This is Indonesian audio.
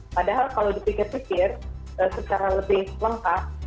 padahal kalau dipikir pikir secara lebih lengkap